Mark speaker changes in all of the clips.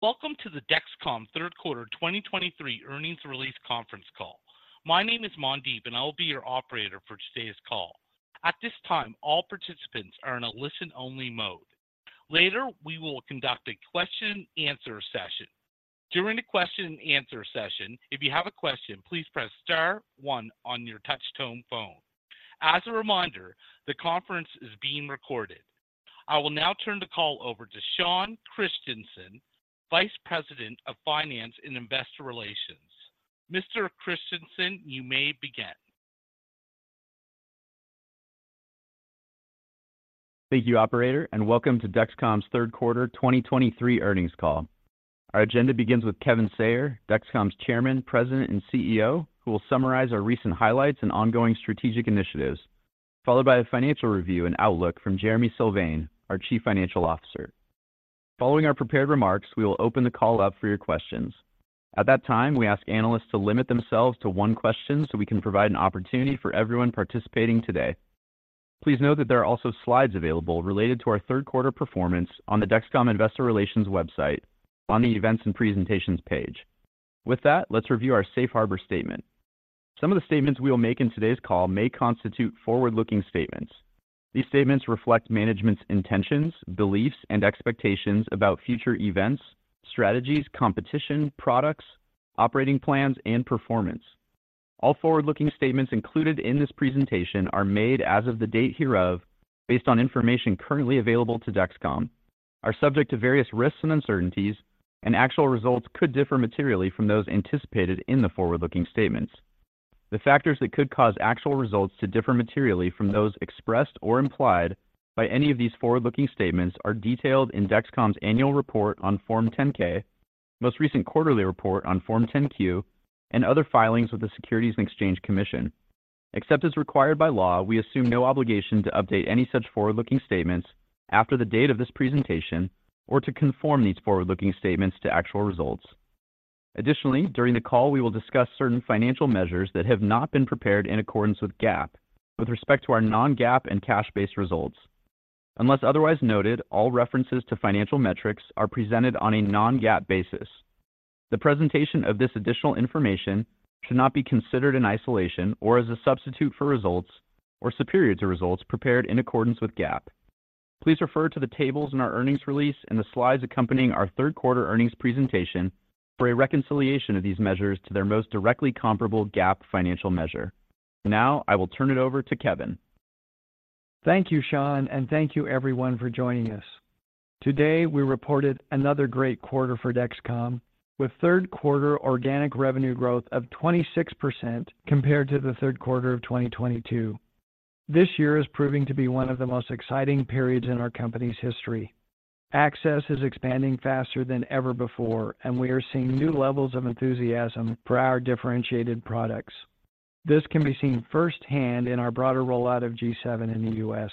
Speaker 1: Welcome to the Dexcom Q3 2023 Earnings Release Conference Call. My name is Mandeep, and I will be your operator for today's call. At this time, all participants are in a listen-only mode. Later, we will conduct a question and answer session. During the question and answer session, if you have a question, please press star one on your touchtone phone. As a reminder, the conference is being recorded. I will now turn the call over to Sean Christensen, Vice President of Finance and Investor Relations. Mr. Christensen, you may begin.
Speaker 2: Thank you, operator, and welcome to Dexcom's Q3 2023 earnings call. Our agenda begins with Kevin Sayer, Dexcom's Chairman, President, and CEO, who will summarize our recent highlights and ongoing strategic initiatives, followed by a financial review and outlook from Jereme Sylvain, our Chief Financial Officer. Following our prepared remarks, we will open the call up for your questions. At that time, we ask analysts to limit themselves to one question so we can provide an opportunity for everyone participating today. Please note that there are also slides available related to our Q3 performance on the Dexcom Investor Relations website on the Events and Presentations page. With that, let's review our safe harbor statement. Some of the statements we'll make in today's call may constitute forward-looking statements. These statements reflect management's intentions, beliefs, and expectations about future events, strategies, competition, products, operating plans, and performance. All forward-looking statements included in this presentation are made as of the date hereof, based on information currently available to Dexcom, are subject to various risks and uncertainties, and actual results could differ materially from those anticipated in the forward-looking statements. The factors that could cause actual results to differ materially from those expressed or implied by any of these forward-looking statements are detailed in Dexcom's annual report on Form 10-K, most recent quarterly report on Form 10-Q, and other filings with the Securities and Exchange Commission. Except as required by law, we assume no obligation to update any such forward-looking statements after the date of this presentation or to conform these forward-looking statements to actual results. Additionally, during the call, we will discuss certain financial measures that have not been prepared in accordance with GAAP with respect to our non-GAAP and cash-based results. Unless otherwise noted, all references to financial metrics are presented on a non-GAAP basis. The presentation of this additional information should not be considered in isolation or as a substitute for results or superior to results prepared in accordance with GAAP. Please refer to the tables in our earnings release and the slides accompanying our Q3 earnings presentation for a reconciliation of these measures to their most directly comparable GAAP financial measure. Now, I will turn it over to Kevin.
Speaker 3: Thank you, Sean, and thank you everyone for joining us. Today, we reported another great quarter for Dexcom, with Q3 organic revenue growth of 26% compared to the Q3 of 2022. This year is proving to be one of the most exciting periods in our company's history. Access is expanding faster than ever before, and we are seeing new levels of enthusiasm for our differentiated products. This can be seen firsthand in our broader rollout of G7 in the U.S.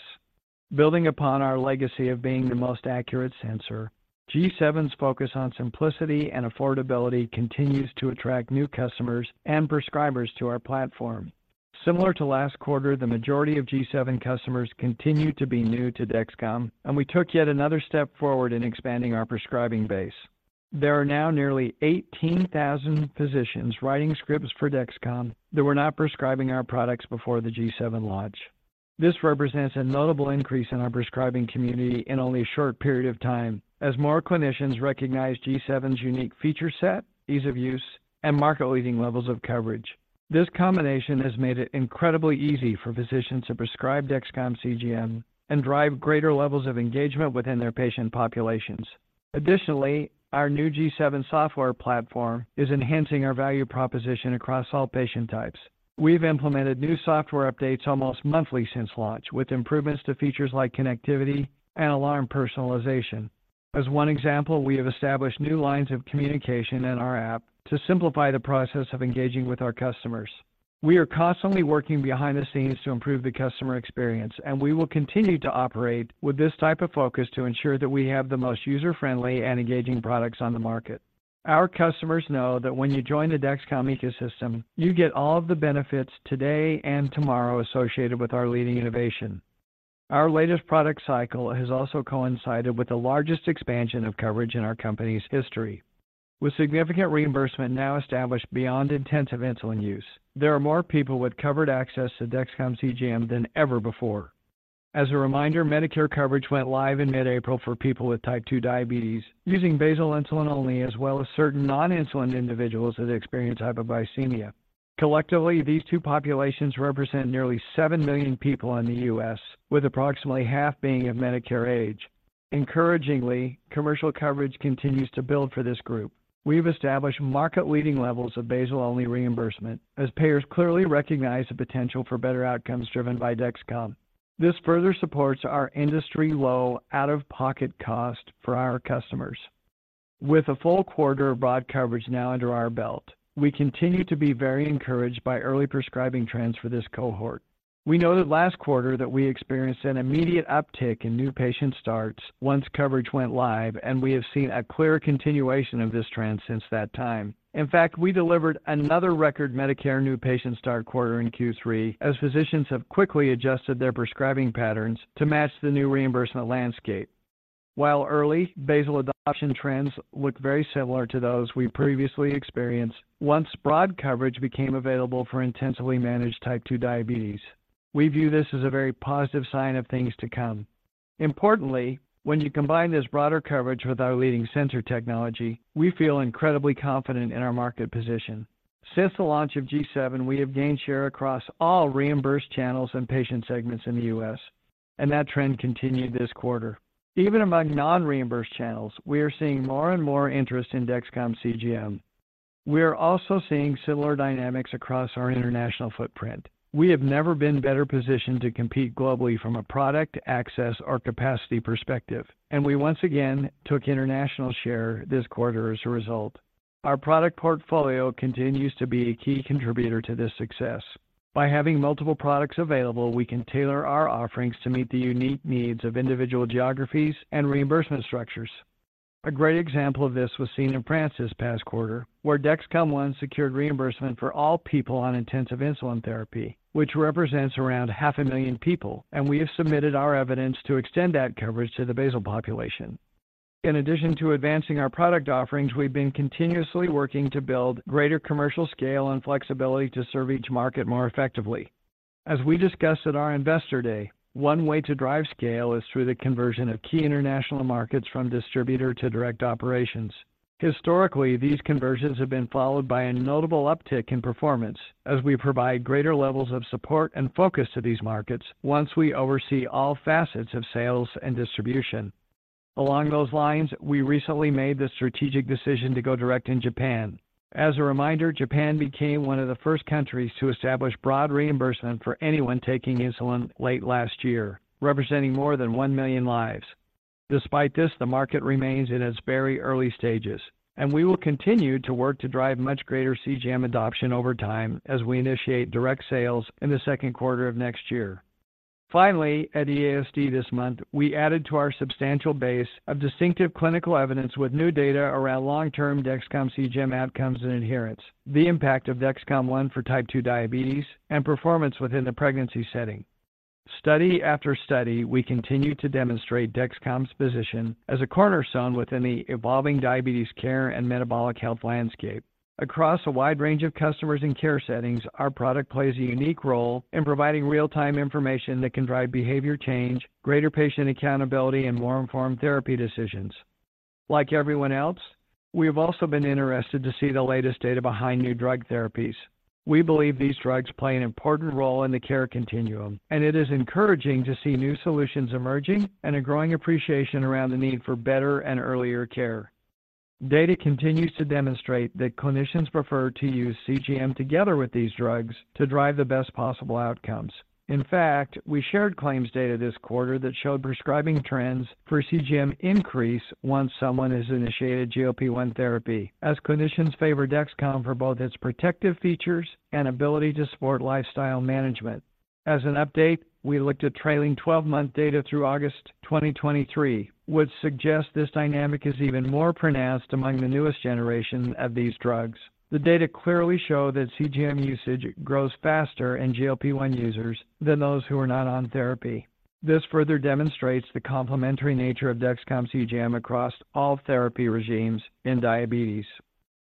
Speaker 3: Building upon our legacy of being the most accurate sensor, G7's focus on simplicity and affordability continues to attract new customers and prescribers to our platform. Similar to last quarter, the majority of G7 customers continued to be new to Dexcom, and we took yet another step forward in expanding our prescribing base. There are now nearly 18,000 physicians writing scripts for Dexcom that were not prescribing our products before the G7 launch. This represents a notable increase in our prescribing community in only a short period of time, as more clinicians recognize G7's unique feature set, ease of use, and market-leading levels of coverage. This combination has made it incredibly easy for physicians to prescribe Dexcom CGM and drive greater levels of engagement within their patient populations. Additionally, our new G7 software platform is enhancing our value proposition across all patient types. We've implemented new software updates almost monthly since launch, with improvements to features like connectivity and alarm personalization. As one example, we have established new lines of communication in our app to simplify the process of engaging with our customers. We are constantly working behind the scenes to improve the customer experience, and we will continue to operate with this type of focus to ensure that we have the most user-friendly and engaging products on the market. Our customers know that when you join the Dexcom ecosystem, you get all of the benefits today and tomorrow associated with our leading innovation. Our latest product cycle has also coincided with the largest expansion of coverage in our company's history. With significant reimbursement now established beyond intensive insulin use, there are more people with covered access to Dexcom CGM than ever before. As a reminder, Medicare coverage went live in mid-April for people with type II diabetes, using basal insulin only, as well as certain non-insulin individuals that experience hypoglycemia. Collectively, these two populations represent nearly seven million people in the U.S., with approximately half being of Medicare age. Encouragingly, commercial coverage continues to build for this group. We've established market-leading levels of basal-only reimbursement as payers clearly recognize the potential for better outcomes driven by Dexcom. This further supports our industry-low out-of-pocket cost for our customers. With a full quarter of broad coverage now under our belt, we continue to be very encouraged by early prescribing trends for this cohort. We know that last quarter that we experienced an immediate uptick in new patient starts once coverage went live, and we have seen a clear continuation of this trend since that time. In fact, we delivered another record Medicare new patient start quarter in Q3, as physicians have quickly adjusted their prescribing patterns to match the new reimbursement landscape. While early basal adoption trends look very similar to those we previously experienced, once broad coverage became available for intensively managed Type II Diabetes, we view this as a very positive sign of things to come. Importantly, when you combine this broader coverage with our leading sensor technology, we feel incredibly confident in our market position. Since the launch of G7, we have gained share across all reimbursed channels and patient segments in the U.S., and that trend continued this quarter. Even among non-reimbursed channels, we are seeing more and more interest in Dexcom CGM. We are also seeing similar dynamics across our international footprint. We have never been better positioned to compete globally from a product, access, or capacity perspective, and we once again took international share this quarter as a result. Our product portfolio continues to be a key contributor to this success. By having multiple products available, we can tailor our offerings to meet the unique needs of individual geographies and reimbursement structures. A great example of this was seen in France this past quarter, where Dexcom ONE secured reimbursement for all people on intensive insulin therapy, which represents around half a million people, and we have submitted our evidence to extend that coverage to the basal population. In addition to advancing our product offerings, we've been continuously working to build greater commercial scale and flexibility to serve each market more effectively. As we discussed at our Investor Day, one way to drive scale is through the conversion of key international markets from distributor to direct operations. Historically, these conversions have been followed by a notable uptick in performance as we provide greater levels of support and focus to these markets once we oversee all facets of sales and distribution. Along those lines, we recently made the strategic decision to go direct in Japan. As a reminder, Japan became one of the first countries to establish broad reimbursement for anyone taking insulin late last year, representing more than one million lives. Despite this, the market remains in its very early stages, and we will continue to work to drive much greater CGM adoption over time as we initiate direct sales in the Q2 of next year. Finally, at EASD this month, we added to our substantial base of distinctive clinical evidence with new data around long-term Dexcom CGM outcomes and adherence, the impact of Dexcom ONE for type II diabetes, and performance within the pregnancy setting. Study after study, we continue to demonstrate Dexcom's position as a cornerstone within the evolving diabetes care and metabolic health landscape. Across a wide range of customers and care settings, our product plays a unique role in providing real-time information that can drive behavior change, greater patient accountability, and more informed therapy decisions. Like everyone else, we have also been interested to see the latest data behind new drug therapies. We believe these drugs play an important role in the care continuum, and it is encouraging to see new solutions emerging and a growing appreciation around the need for better and earlier care. Data continues to demonstrate that clinicians prefer to use CGM together with these drugs to drive the best possible outcomes. In fact, we shared claims data this quarter that showed prescribing trends for CGM increase once someone has initiated GLP-1 therapy, as clinicians favor Dexcom for both its protective features and ability to support lifestyle management. As an update, we looked at trailing 12-month data through August 2023, which suggests this dynamic is even more pronounced among the newest generation of these drugs. The data clearly show that CGM usage grows faster in GLP-1 users than those who are not on therapy. This further demonstrates the complementary nature of Dexcom CGM across all therapy regimes in diabetes.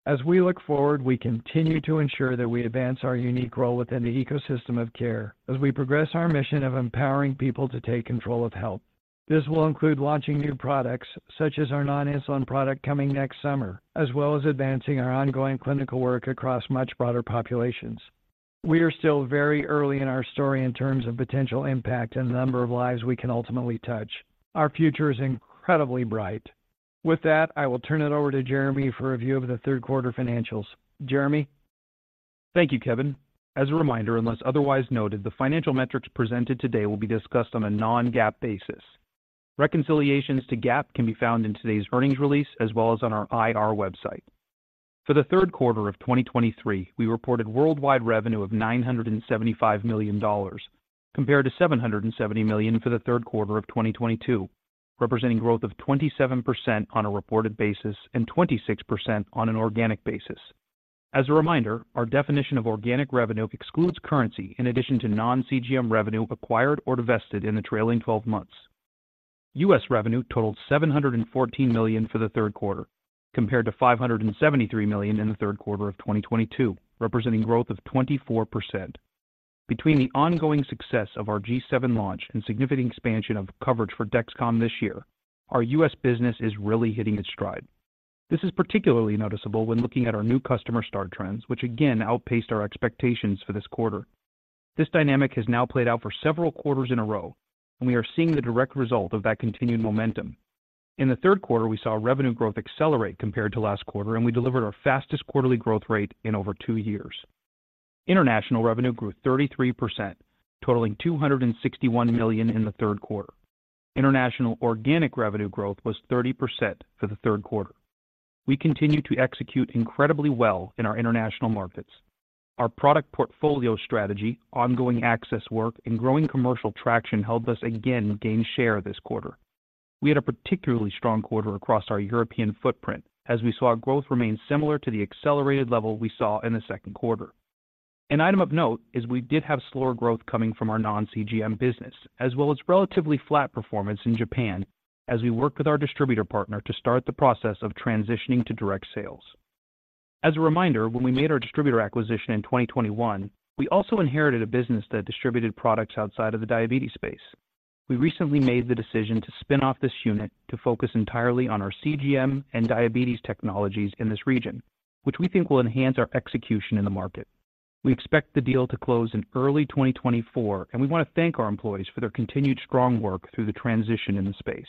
Speaker 3: As we look forward, we continue to ensure that we advance our unique role within the ecosystem of care as we progress our mission of empowering people to take control of health. This will include launching new products, such as our non-insulin product coming next summer, as well as advancing our ongoing clinical work across much broader populations. We are still very early in our story in terms of potential impact and the number of lives we can ultimately touch. Our future is incredibly bright. With that, I will turn it over to Jereme for a view of the Q3 financials. Jereme?
Speaker 4: Thank you, Kevin. As a reminder, unless otherwise noted, the financial metrics presented today will be discussed on a non-GAAP basis. Reconciliations to GAAP can be found in today's earnings release as well as on our IR website. For the Q3 of 2023, we reported worldwide revenue of $975 million, compared to $770 million for the Q3 of 2022, representing growth of 27% on a reported basis and 26% on an organic basis. As a reminder, our definition of organic revenue excludes currency in addition to non-CGM revenue acquired or divested in the trailing twelve months. U.S. revenue totaled $714 million for the Q3, compared to $573 million in the Q3 of 2022, representing growth of 24%. Between the ongoing success of our G7 launch and significant expansion of coverage for Dexcom this year, our U.S. business is really hitting its stride. This is particularly noticeable when looking at our new customer start trends, which again outpaced our expectations for this quarter. This dynamic has now played out for several quarters in a row, and we are seeing the direct result of that continued momentum. In the Q3, we saw revenue growth accelerate compared to last quarter, and we delivered our fastest quarterly growth rate in over two years. International revenue grew 33%, totaling $261 million in the Q3. International organic revenue growth was 30% for the Q3. We continue to execute incredibly well in our international markets. Our product portfolio strategy, ongoing access work, and growing commercial traction helped us again gain share this quarter. We had a particularly strong quarter across our European footprint as we saw growth remain similar to the accelerated level we saw in the Q2. An item of note is we did have slower growth coming from our non-CGM business, as well as relatively flat performance in Japan as we worked with our distributor partner to start the process of transitioning to direct sales. As a reminder, when we made our distributor acquisition in 2021, we also inherited a business that distributed products outside of the diabetes space. We recently made the decision to spin off this unit to focus entirely on our CGM and diabetes technologies in this region, which we think will enhance our execution in the market. We expect the deal to close in early 2024, and we want to thank our employees for their continued strong work through the transition in the space.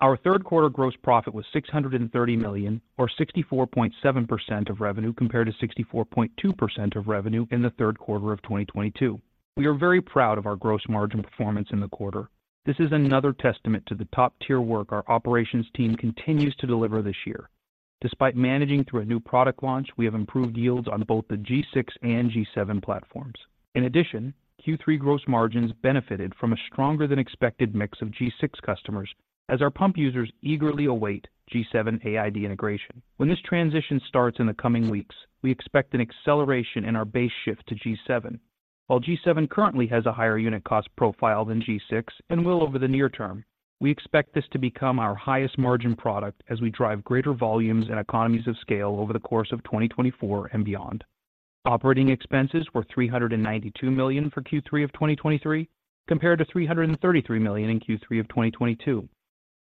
Speaker 4: Our Q3 gross profit was $630 million, or 64.7% of revenue, compared to 64.2% of revenue in the Q3 of 2022. We are very proud of our gross margin performance in the quarter. This is another testament to the top-tier work our operations team continues to deliver this year. Despite managing through a new product launch, we have improved yields on both the G6 and G7 platforms. In addition, Q3 gross margins benefited from a stronger than expected mix of G6 customers as our pump users eagerly await G7 AID integration. When this transition starts in the coming weeks, we expect an acceleration in our base shift to G7. While G7 currently has a higher unit cost profile than G6 and will over the near term, we expect this to become our highest margin product as we drive greater volumes and economies of scale over the course of 2024 and beyond. Operating expenses were $392 million for Q3 of 2023, compared to $333 million in Q3 of 2022.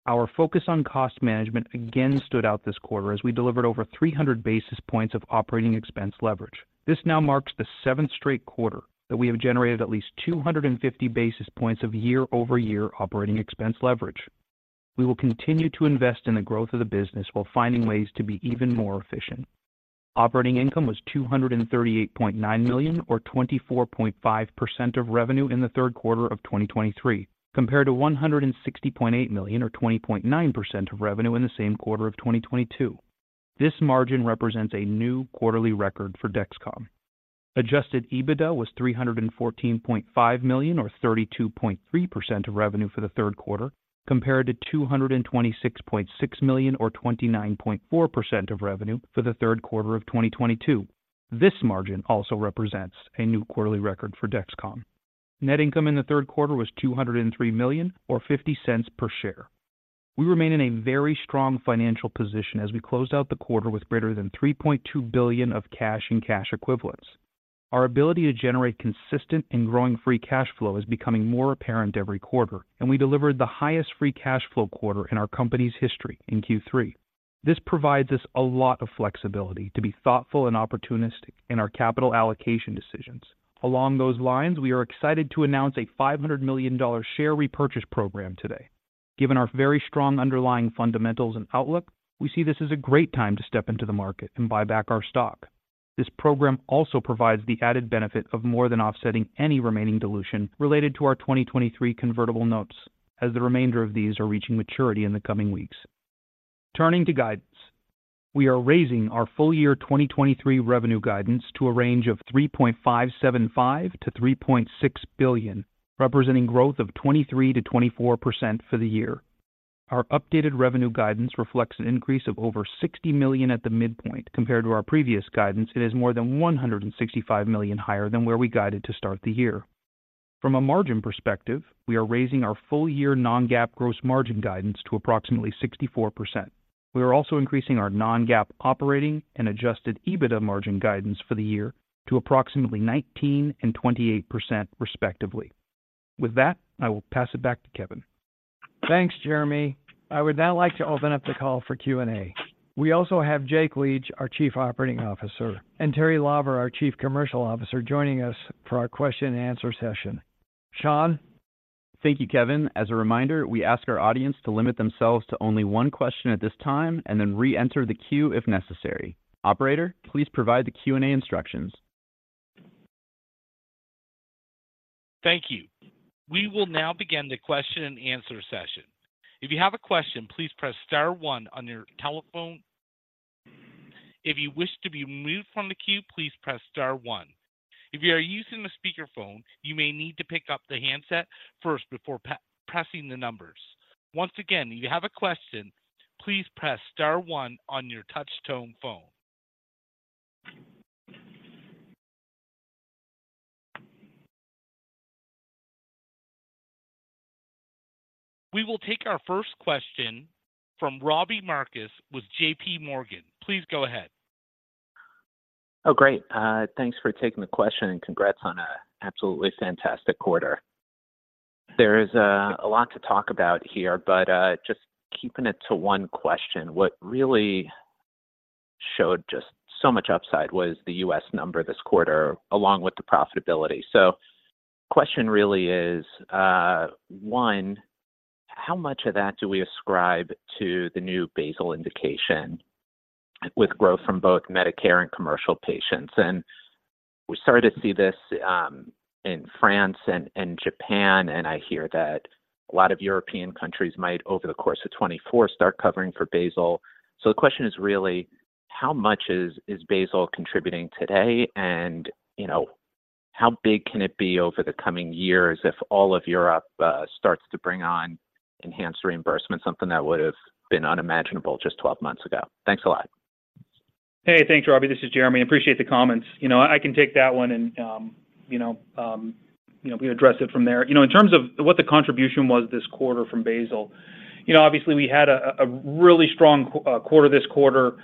Speaker 4: Our focus on cost management again stood out this quarter as we delivered over 300 basis points of operating expense leverage. This now marks the seventh straight quarter that we have generated at least 250 basis points of year-over-year operating expense leverage. We will continue to invest in the growth of the business while finding ways to be even more efficient. Operating income was $238.9 million, or 24.5% of revenue in the Q3 of 2023, compared to $160.8 million or 20.9% of revenue in the same quarter of 2022. This margin represents a new quarterly record for Dexcom. Adjusted EBITDA was $314.5 million, or 32.3% of revenue for the Q3, compared to $226.6 million, or 29.4% of revenue for the Q3 of 2022. This margin also represents a new quarterly record for Dexcom. Net income in the Q3 was $203 million, or $0.50 per share. We remain in a very strong financial position as we closed out the quarter with greater than $3.2 billion of cash and cash equivalents. Our ability to generate consistent and growing free cash flow is becoming more apparent every quarter, and we delivered the highest free cash flow quarter in our company's history in Q3. This provides us a lot of flexibility to be thoughtful and opportunistic in our capital allocation decisions. Along those lines, we are excited to announce a $500 million share repurchase program today. Given our very strong underlying fundamentals and outlook, we see this as a great time to step into the market and buy back our stock. This program also provides the added benefit of more than offsetting any remaining dilution related to our 2023 convertible notes, as the remainder of these are reaching maturity in the coming weeks. Turning to guidance. We are raising our full year 2023 revenue guidance to a range of $3.575 billion-$3.6 billion, representing growth of 23%-24% for the year. Our updated revenue guidance reflects an increase of over $60 million at the midpoint. Compared to our previous guidance, it is more than $165 million higher than where we guided to start the year. From a margin perspective, we are raising our full-year non-GAAP gross margin guidance to approximately 64%. We are also increasing our non-GAAP operating and adjusted EBITDA margin guidance for the year to approximately 19% and 28% respectively. With that, I will pass it back to Kevin.
Speaker 3: Thanks, Jereme. I would now like to open up the call for Q&A. We also have Jake Leach, our Chief Operating Officer, and Teri Lawver, our Chief Commercial Officer, joining us for our question and answer session. Sean?
Speaker 2: Thank you, Kevin. As a reminder, we ask our audience to limit themselves to only one question at this time and then reenter the queue if necessary. Operator, please provide the Q&A instructions.
Speaker 1: Thank you. We will now begin the question and answer session. If you have a question, please press star one on your telephone. If you wish to be removed from the queue, please press star one. If you are using a speakerphone, you may need to pick up the handset first before pressing the numbers. Once again, if you have a question, please press star one on your touch tone phone. We will take our first question from Robbie Marcus with JPMorgan. Please go ahead.
Speaker 5: Oh, great. Thanks for taking the question, and congrats on a absolutely fantastic quarter. There is a lot to talk about here, but just keeping it to one question, what really showed just so much upside was the U.S. number this quarter, along with the profitability. The question really is, one, how much of that do we ascribe to the new basal indication with growth from both Medicare and commercial patients? We're starting to see this in France and Japan, and I hear that a lot of European countries might, over the course of 2024, start covering for basal. The question is really, how much is basal contributing today? And, you know how big can it be over the coming years if all of Europe starts to bring on enhanced reimbursement, something that would have been unimaginable just 12 months ago? Thanks a lot.
Speaker 4: Hey, thanks, Robbie. This is Jereme. I appreciate the comments. You know, I can take that one, and you know, you know, we address it from there. You know, in terms of what the contribution was this quarter from basal, you know, obviously, we had a really strong quarter this quarter,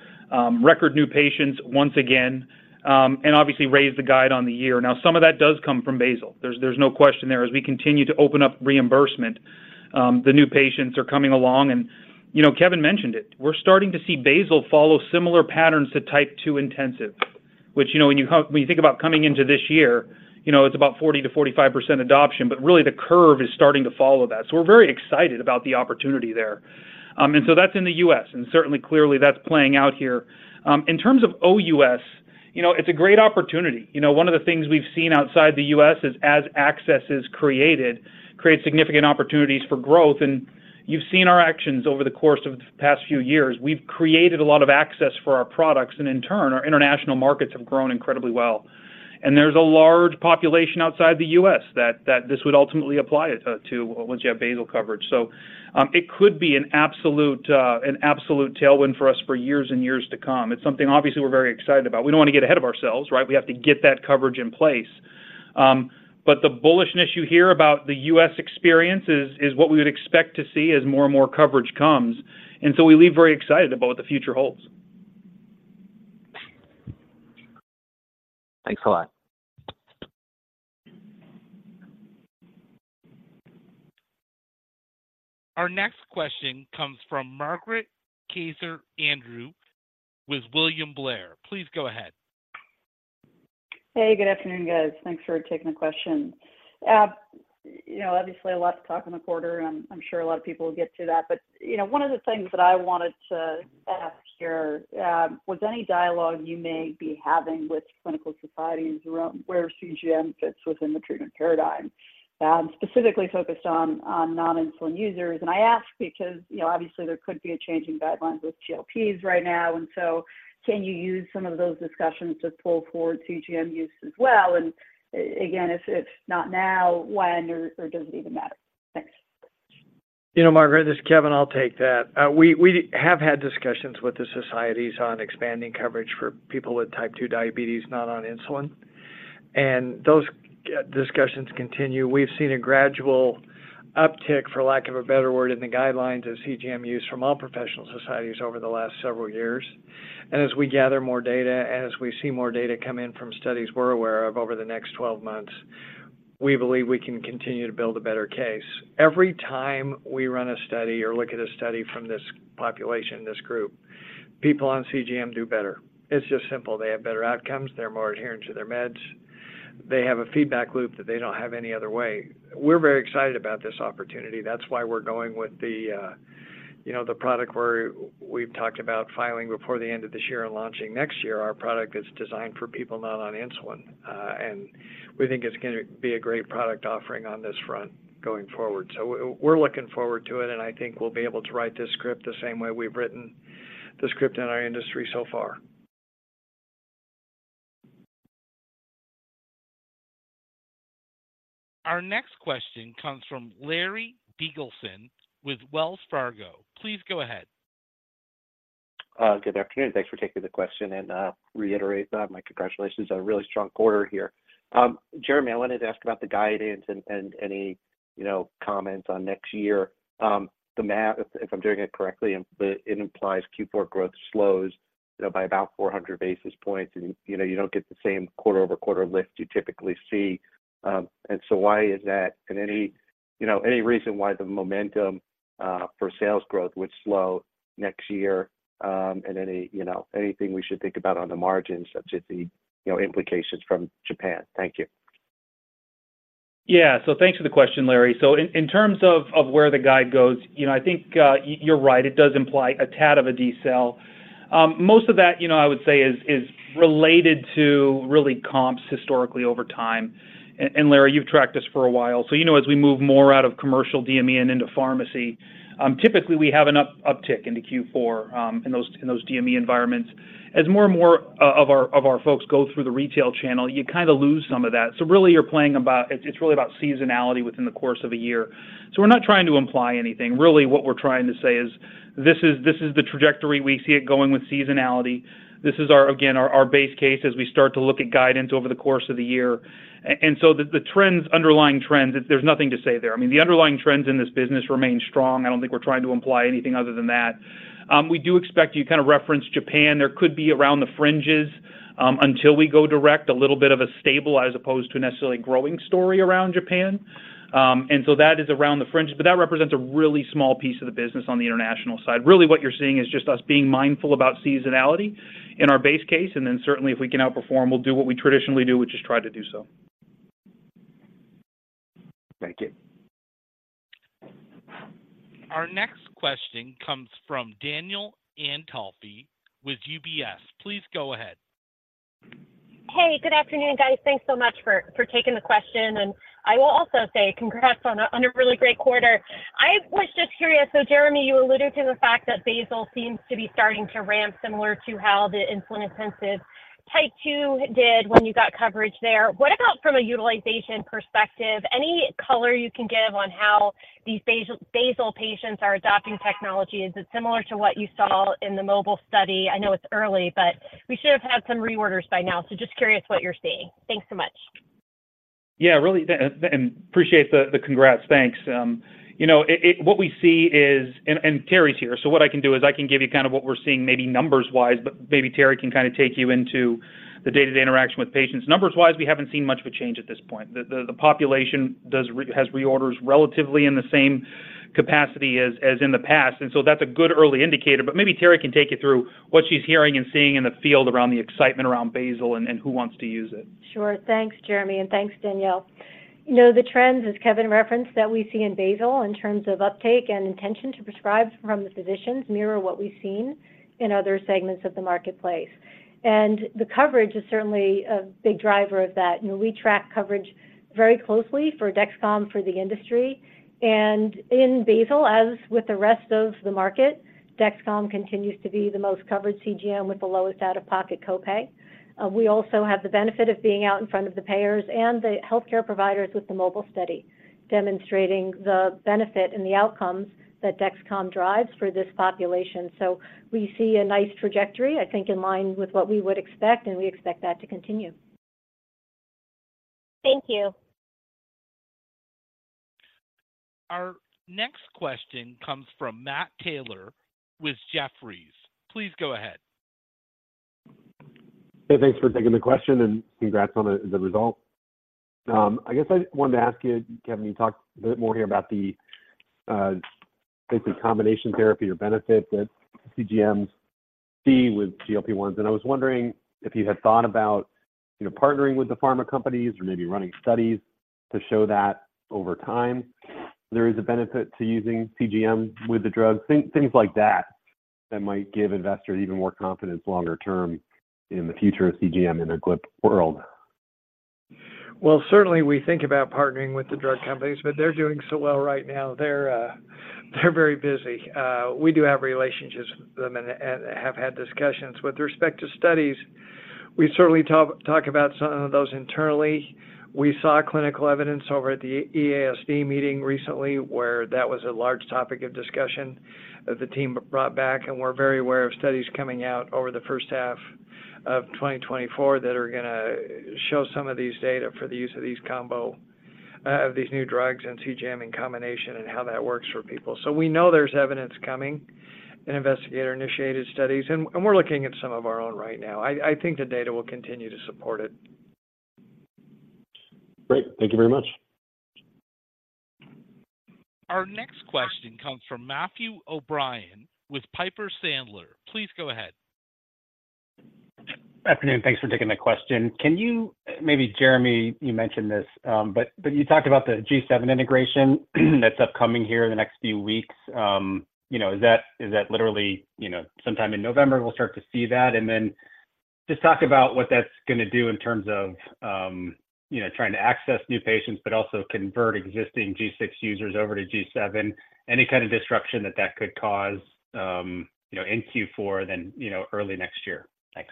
Speaker 4: record new patients once again, and obviously raised the guide on the year. Now, some of that does come from basal. There's no question there. As we continue to open up reimbursement, the new patients are coming along and, you know, Kevin mentioned it. We're starting to see basal follow similar patterns to TypeII intensive, which, you know, when you think about coming into this year, you know, it's about 40%-45% adoption, but really the curve is starting to follow that. We're very excited about the opportunity there. That's in the U.S., and certainly, clearly, that's playing out here. In terms of OUS, you know, it's a great opportunity. You know, one of the things we've seen outside the U.S. is as access is created, it creates significant opportunities for growth, and you've seen our actions over the course of the past few years. We've created a lot of access for our products, and in turn, our international markets have grown incredibly well. There's a large population outside the U.S. that this would ultimately apply to once you have basal coverage. It could be an absolute tailwind for us for years and years to come. It's something obviously we're very excited about. We don't want to get ahead of ourselves, right? We have to get that coverage in place. But the bullishness you hear about the U.S. experience is what we would expect to see as more and more coverage comes, and so we leave very excited about what the future holds.
Speaker 5: Thanks a lot.
Speaker 1: Our next question comes from Margaret Kaczor Andrew with William Blair. Please go ahead.
Speaker 6: Hey, good afternoon, guys. Thanks for taking the question. You know, obviously, a lot to talk in the quarter, and I'm sure a lot of people will get to that. But, you know, one of the things that I wanted to ask here, was any dialogue you may be having with clinical societies around where CGM fits within the treatment paradigm, specifically focused on, on non-insulin users? And I ask because, you know, obviously there could be a change in guidelines with GLPs right now, and so can you use some of those discussions to pull forward CGM use as well? And again, if not now, when, or does it even matter? Thanks.
Speaker 3: You know, Margaret, this is Kevin. I'll take that. We have had discussions with the societies on expanding coverage for people with type II diabetes, not on insulin, and those discussions continue. We've seen a gradual uptick, for lack of a better word, in the guidelines of CGM use from all professional societies over the last several years. As we gather more data, as we see more data come in from studies we're aware of over the next 12 months, we believe we can continue to build a better case. Every time we run a study or look at a study from this population, this group, people on CGM do better. It's just simple. They have better outcomes, they're more adherent to their meds. They have a feedback loop that they don't have any other way. We're very excited about this opportunity. That's why we're going with the, you know, the product where we've talked about filing before the end of this year and launching next year. Our product is designed for people not on insulin, and we think it's going to be a great product offering on this front going forward. So we, we're looking forward to it, and I think we'll be able to write this script the same way we've written the script in our industry so far.
Speaker 1: Our next question comes from Larry Biegelsen with Wells Fargo. Please go ahead.
Speaker 7: Good afternoon. Thanks for taking the question, and reiterate my congratulations on a really strong quarter here. Jereme, I wanted to ask about the guidance and any, you know, comments on next year. The math, if I'm doing it correctly, but it implies Q4 growth slows, you know, by about 400 basis points, and, you know, you don't get the same quarter-over-quarter lift you typically see. And so why is that? And any, you know, any reason why the momentum for sales growth would slow next year, and any, you know, anything we should think about on the margins, such as the implications from Japan? Thank you.
Speaker 4: Yeah. So thanks for the question, Larry. In terms of where the guide goes, you know, I think you're right, it does imply a tad of a decel. Most of that, you know, I would say is related to really comps historically over time. Larry, you've tracked this for a while. You know, as we move more out of commercial DME and into pharmacy, typically we have an uptick into Q4 in those DME environments. As more and more of our folks go through the retail channel, you kind of lose some of that. Really, you're playing about, it's really about seasonality within the course of a year. We're not trying to imply anything. Really, what we're trying to say is this is the trajectory we see it going with seasonality. This is our, again, our base case as we start to look at guidance over the course of the year. And so the, the trends, underlying trends, there's nothing to say there. I mean, the underlying trends in this business remain strong. I don't think we're trying to imply anything other than that. We do expect you kind of referenced Japan. There could be around the fringes, until we go direct, a little bit of a stable as opposed to necessarily growing story around Japan. And so that is around the fringes, but that represents a really small piece of the business on the international side. Really, what you're seeing is just us being mindful about seasonality in our base case, and then certainly, if we can outperform, we'll do what we traditionally do, which is try to do so.
Speaker 7: Thank you.
Speaker 1: Our next question comes from Danielle Antalffy with UBS. Please go ahead.
Speaker 8: Hey, good afternoon, guys. Thanks so much for taking the question, and I will also say congrats on a really great quarter. I was just curious, so Jereme, you alluded to the fact that basal seems to be starting to ramp similar to how the insulin-intensive Type II did when you got coverage there. What about from a utilization perspective? Any color you can give on how these basal, basal patients are adopting technology? Is it similar to what you saw in the MOBILE Study? I know it's early, but we should have had some reorders by now. So just curious what you're seeing. Thanks so much.
Speaker 4: Yeah, really, and appreciate the congrats. Thanks. You know, what we see is, and Teri's here, so what I can do is I can give you kind of what we're seeing, maybe numbers-wise, but maybe Teri can kind of take you into the day-to-day interaction with patients. Numbers-wise, we haven't seen much of a change at this point. The population does have reorders relatively in the same capacity as in the past, and so that's a good early indicator. But maybe Teri can take you through what she's hearing and seeing in the field around the excitement around basal and who wants to use it.
Speaker 9: Sure. Thanks, Jereme, and thanks, Danielle. You know, the trends, as Kevin referenced, that we see in basal in terms of uptake and intention to prescribe from the physicians mirror what we've seen in other segments of the marketplace, and the coverage is certainly a big driver of that. You know, we track coverage very closely for Dexcom, for the industry. In basal, as with the rest of the market, Dexcom continues to be the most covered CGM with the lowest out-of-pocket copay. We also have the benefit of being out in front of the payers and the healthcare providers with the MOBILE Study, demonstrating the benefit and the outcomes that Dexcom drives for this population. We see a nice trajectory, I think, in line with what we would expect, and we expect that to continue.
Speaker 8: Thank you.
Speaker 1: Our next question comes from Matt Taylor with Jefferies. Please go ahead.
Speaker 10: Hey, thanks for taking the question, and congrats on the result. I guess I wanted to ask you, Kevin, you talked a bit more here about the basically combination therapy or benefit that CGMs see with GLP-1s, and I was wondering if you had thought about, you know, partnering with the pharma companies or maybe running studies to show that over time there is a benefit to using CGM with the drug. Things like that, that might give investors even more confidence longer term in the future of CGM in a GLP world.
Speaker 3: Well, certainly we think about partnering with the drug companies, but they're doing so well right now. They're very busy. We do have relationships with them and have had discussions. With respect to studies, we certainly talk about some of those internally. We saw clinical evidence over at the EASD meeting recently, where that was a large topic of discussion that the team brought back, and we're very aware of studies coming out over the H1 of 2024 that are gonna show some of these data for the use of these combo, of these new drugs and CGM in combination and how that works for people. We know there's evidence coming in investigator-initiated studies, and we're looking at some of our own right now. I think the data will continue to support it.
Speaker 10: Great. Thank you very much.
Speaker 1: Our next question comes from Matthew O'Brien with Piper Sandler. Please go ahead.
Speaker 11: Afternoon. Thanks for taking my question. Can you, maybe Jereme, you mentioned this, but, but you talked about the G7 integration, that's upcoming here in the next few weeks. You know, is that, is that literally, you know, sometime in November, we'll start to see that? And then just talk about what that's gonna do in terms of, you know, trying to access new patients, but also convert existing G6 users over to G7, any kind of disruption that that could cause, you know, in Q4, then, you know, early next year. Thanks.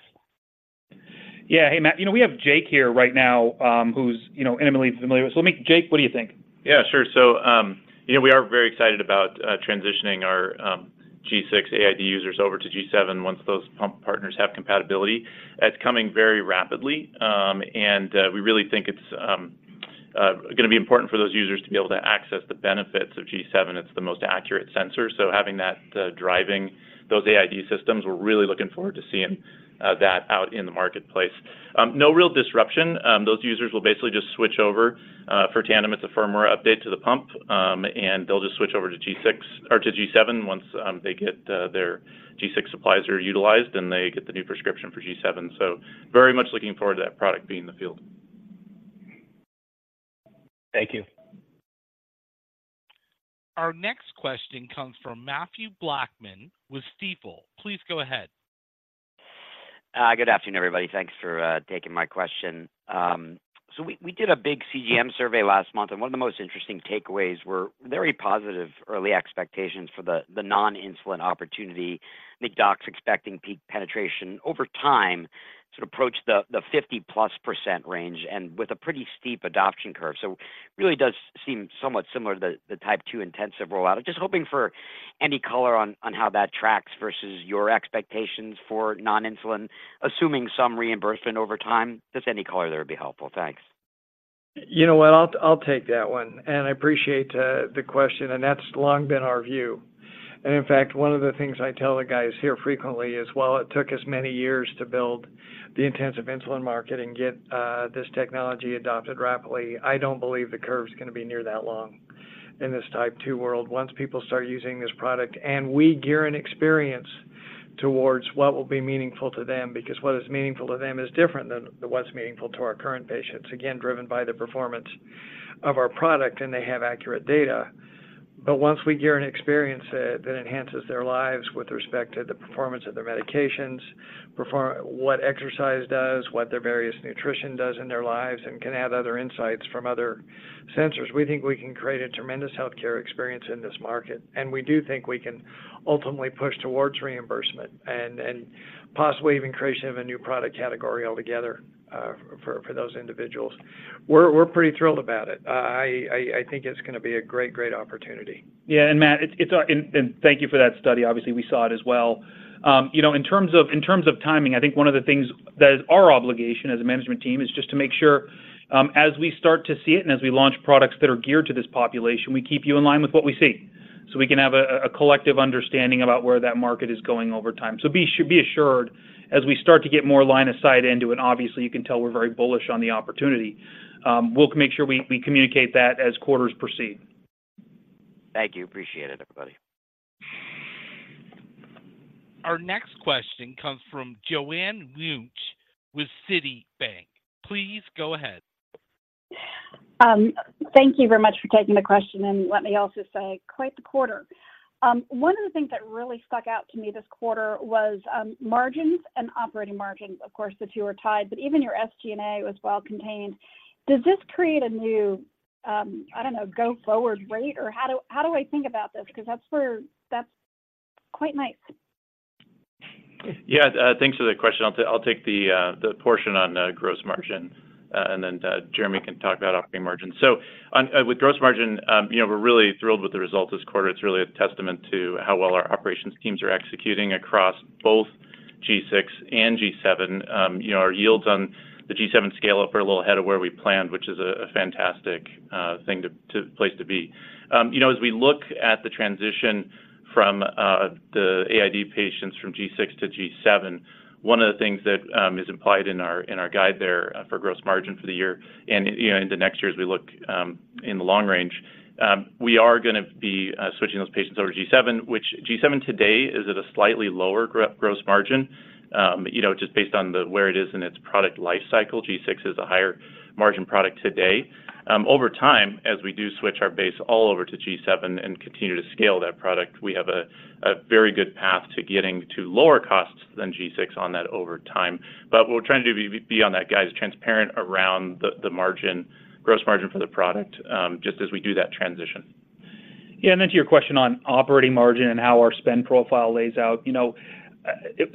Speaker 4: Yeah. Hey, Matt, you know, we have Jake here right now, who's, you know, intimately familiar with. So let me, Jake, what do you think?
Speaker 12: Yeah, sure. You know, we are very excited about transitioning our G6 AID users over to G7 once those pump partners have compatibility. That's coming very rapidly, and we really think it's going to be important for those users to be able to access the benefits of G7. It's the most accurate sensor, so having that driving those AID systems, we're really looking forward to seeing that out in the marketplace. No real disruption. Those users will basically just switch over. For Tandem, it's a firmware update to the pump, and they'll just switch over to G6 or to G7 once they get their G6 supplies are utilized, and they get the new prescription for G7. Very much looking forward to that product being in the field.
Speaker 11: Thank you.
Speaker 1: Our next question comes from Mathew Blackman with Stifel. Please go ahead.
Speaker 13: Good afternoon, everybody. Thanks for taking my question. So we did a big CGM survey last month, and one of the most interesting takeaways were very positive early expectations for the non-insulin opportunity. I think doc's expecting peak penetration over time, sort of approach the 50%+ range and with a pretty steep adoption curve. So really does seem somewhat similar to the Type II intensive rollout. I'm just hoping for any color on how that tracks versus your expectations for non-insulin, assuming some reimbursement over time. Just any color there would be helpful. Thanks.
Speaker 3: You know what? I'll take that one, and I appreciate the question, and that's long been our view. In fact, one of the things I tell the guys here frequently is, while it took us many years to build the intensive insulin market and get this technology adopted rapidly, I don't believe the curve is gonna be near that long in this Type II world. Once people start using this product, and we gear an experience towards what will be meaningful to them, because what is meaningful to them is different than what's meaningful to our current patients, again, driven by the performance of our product, and they have accurate data. But once we get an experience that enhances their lives with respect to the performance of their medications, what exercise does, what their various nutrition does in their lives, and can have other insights from other sensors, we think we can create a tremendous healthcare experience in this market. And we do think we can ultimately push towards reimbursement and possibly even creation of a new product category altogether, for those individuals. We're pretty thrilled about it. I think it's gonna be a great, great opportunity.
Speaker 4: Yeah, Matt, thank you for that study. Obviously, we saw it as well. You know, in terms of timing, I think one of the things that is our obligation as a management team is just to make sure, you know, as we start to see it and as we launch products that are geared to this population, we keep you in line with what we see, so we can have a collective understanding about where that market is going over time. Be assured, as we start to get more line of sight into it, obviously, you can tell we're very bullish on the opportunity, we'll make sure we communicate that as quarters proceed.
Speaker 13: Thank you. Appreciate it, everybody.
Speaker 1: Our next question comes from Joanne Wuensch with Citi. Please go ahead.
Speaker 14: Thank you very much for taking the question, and let me also say, quite the quarter. One of the things that really stuck out to me this quarter was margins and operating margins. Of course, the two are tied, but even your SG&A was well contained. Does this create a new, I don't know, go-forward rate? Or how do, how do I think about this? Because that's where, that's quite nice.
Speaker 12: Yeah, thanks for the question. I'll take, I'll take the portion on gross margin, and then Jereme can talk about operating margin. With gross margin, you know, we're really thrilled with the result this quarter. It's really a testament to how well our operations teams are executing across both G6 and G7. You know, our yields on the G7 scale-up are a little ahead of where we planned, which is a fantastic thing to place to be. You know, as we look at the transition from the AID patients from G6 to G7, one of the things that is implied in our guide there for gross margin for the year, and, you know, into next year, as we look in the long range, we are gonna be switching those patients over to G7, which G7 today is at a slightly lower gross margin. You know, just based on where it is in its product life cycle, G6 is a higher margin product today. Over time, as we do switch our base all over to G7 and continue to scale that product, we have a very good path to getting to lower costs than G6 on that over time. But what we're trying to be on that guide is transparent around the margin, gross margin for the product, just as we do that transition.
Speaker 4: Yeah, and then to your question on operating margin and how our spend profile lays out, you know,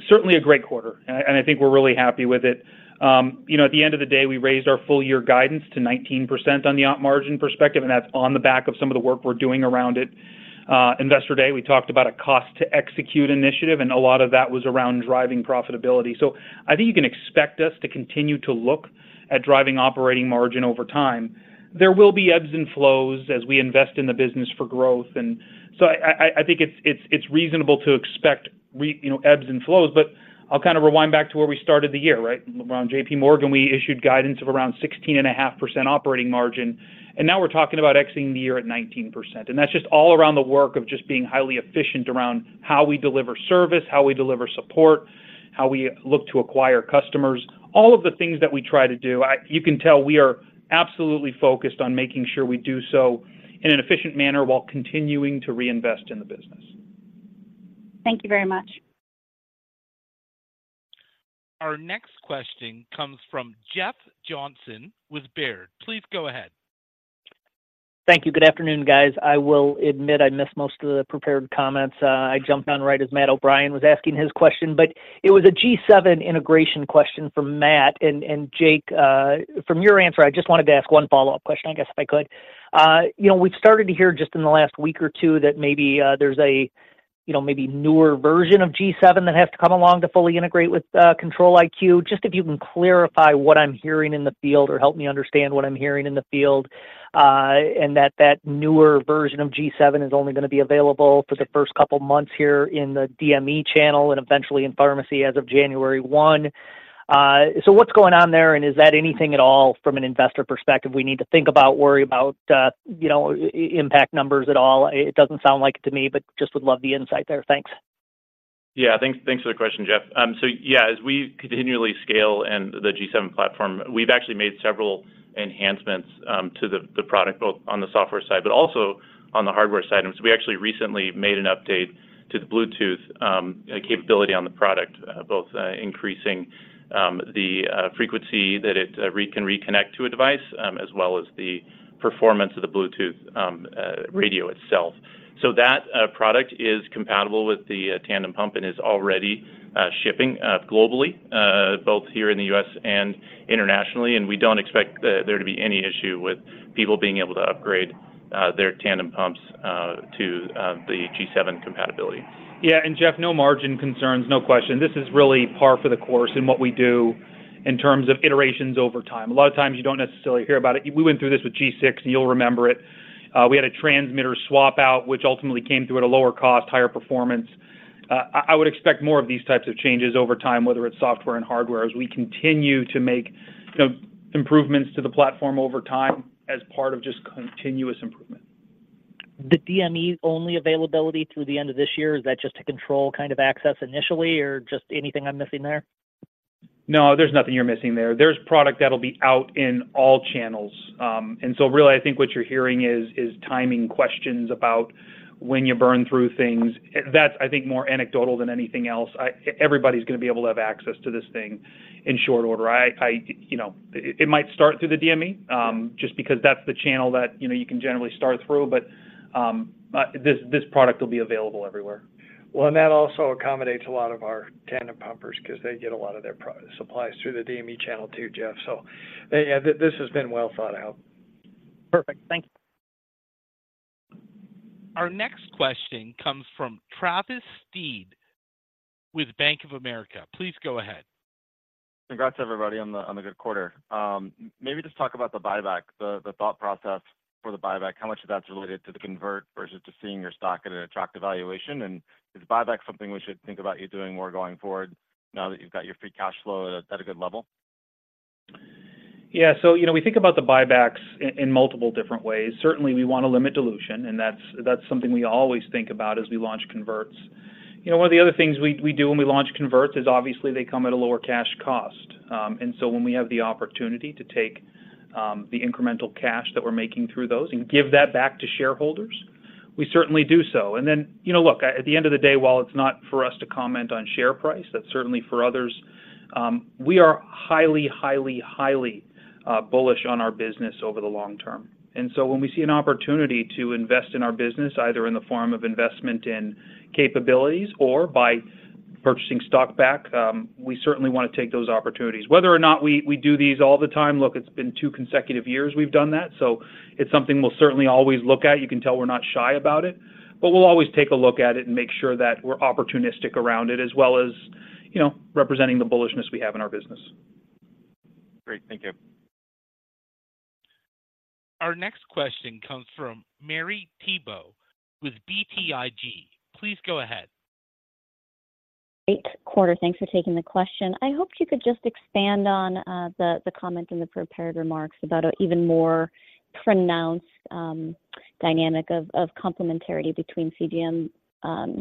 Speaker 4: certainly a great quarter, and I think we're really happy with it. You know, at the end of the day, we raised our full-year guidance to 19% on the op margin perspective, and that's on the back of some of the work we're doing around it. Investor Day, we talked about a cost-to-execute initiative, and a lot of that was around driving profitability. So I think you can expect us to continue to look at driving operating margin over time. There will be ebbs and flows as we invest in the business for growth, and I think it's reasonable to expect we, you know, ebbs and flows. I'll kind of rewind back to where we started the year, right? Around JPMorgan, we issued guidance of around 16.5% operating margin, and now we're talking about exiting the year at 19%. That's just all around the work of just being highly efficient around how we deliver service, how we deliver support, how we look to acquire customers. All of the things that we try to do, I, you can tell we are absolutely focused on making sure we do so in an efficient manner while continuing to reinvest in the business.
Speaker 14: Thank you very much.
Speaker 1: Our next question comes from Jeff Johnson with Baird. Please go ahead.
Speaker 15: Thank you. Good afternoon, guys. I will admit I missed most of the prepared comments. I jumped on right as Matt O'Brien was asking his question, but it was a G7 integration question from Matt and Jake, from your answer, I just wanted to ask one follow-up question, I guess, if I could. You know, we've started to hear just in the last week or two that maybe there's a, you know, maybe newer version of G7 that has to come along to fully integrate with Control-IQ. Just if you can clarify what I'm hearing in the field or help me understand what I'm hearing in the field, and that that newer version of G7 is only gonna be available for the first couple of months here in the DME channel and eventually in pharmacy as of January one. So what's going on there, and is that anything at all from an investor perspective we need to think about, worry about, you know, impact numbers at all? It doesn't sound like it to me, but just would love the insight there. Thanks.
Speaker 12: Yeah, thanks, thanks for the question, Jeff. So yeah, as we continually scale and the G7 platform, we've actually made several enhancements to the product, both on the software side, but also on the hardware side. And so we actually recently made an update to the Bluetooth capability on the product, both increasing the frequency that it can reconnect to a device, as well as the performance of the Bluetooth radio itself. So that product is compatible with the Tandem pump and is already shipping globally, both here in the U.S. and internationally. And we don't expect there to be any issue with people being able to upgrade their Tandem pumps to the G7 compatibility.
Speaker 4: Yeah, and Jeff, no margin concerns, no question. This is really par for the course in what we do in terms of iterations over time. A lot of times you don't necessarily hear about it. We went through this with G6, and you'll remember it. We had a transmitter swap-out, which ultimately came through at a lower cost, higher performance. I would expect more of these types of changes over time, whether it's software and hardware, as we continue to make the improvements to the platform over time as part of just continuous improvement.
Speaker 15: The DME only availability through the end of this year, is that just to control kind of access initially or just anything I'm missing there?
Speaker 4: No, there's nothing you're missing there. There's product that'll be out in all channels. And so really, I think what you're hearing is timing questions about when you burn through things. That's, I think, more anecdotal than anything else. Everybody's gonna be able to have access to this thing in short order. You know, it might start through the DME, just because that's the channel that, you know, you can generally start through. But, this product will be available everywhere.
Speaker 3: Well, that also accommodates a lot of our Tandem pumpers 'cause they get a lot of their pro-supplies through the DME channel, too, Jeff. This has been well thought out.
Speaker 15: Perfect. Thank you.
Speaker 1: Our next question comes from Travis Steed with Bank of America. Please go ahead.
Speaker 16: Congrats, everybody, on the good quarter. Maybe just talk about the buyback, the thought process for the buyback. How much of that's related to the convert versus just seeing your stock at an attractive valuation? And is buyback something we should think about you doing more going forward now that you've got your free cash flow at a good level?
Speaker 4: Yeah. So, you know, we think about the buybacks in multiple different ways. Certainly, we want to limit dilution, and that's, that's something we always think about as we launch converts. You know, one of the other things we, we do when we launch converts is obviously they come at a lower cash cost. And so when we have the opportunity to take the incremental cash that we're making through those and give that back to shareholders, we certainly do so. And then, you know, look, at the end of the day, while it's not for us to comment on share price, that's certainly for others, we are highly, highly, highly bullish on our business over the long term. When we see an opportunity to invest in our business, either in the form of investment in capabilities or by purchasing stock back, we certainly want to take those opportunities. Whether or not we do these all the time, look, it's been two consecutive years we've done that, so it's something we'll certainly always look at. You can tell we're not shy about it. We'll always take a look at it and make sure that we're opportunistic around it, as well as, you know, representing the bullishness we have in our business.
Speaker 16: Great. Thank you.
Speaker 1: Our next question comes from Marie Thibault with BTIG. Please go ahead.
Speaker 17: Great quarter. Thanks for taking the question. I hope you could just expand on the comment in the prepared remarks about an even more pronounced dynamic of complementarity between CGM